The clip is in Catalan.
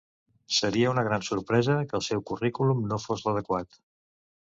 Seria una gran sorpresa que el seu currículum no fos l’adequat.